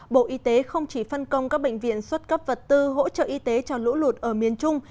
bộ y tế không chỉ phân công các bệnh viện xuất cấp vật tư hỗ trợ y tế cho lũ lụt ở miền trung